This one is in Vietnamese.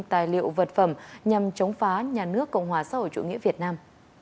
tài liệu vật phẩm nhằm chống phá nhà nước cộng hòa xã hội chủ nghĩa việt nam